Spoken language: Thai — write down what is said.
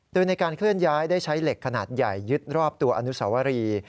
โดยในการเคลื่อนย้ายได้ใช้เหล็กขนาดใหญ่ยึดรอบตัวอนุสวรี